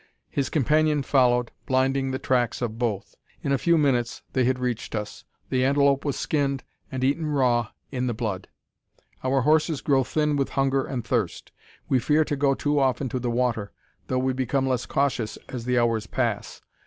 His companion followed, blinding the tracks of both. In a few minutes they had reached us. The antelope was skinned, and eaten raw, in the blood! Our horses grow thin with hunger and thirst. We fear to go too often to the water, though we become less cautious as the hours pass.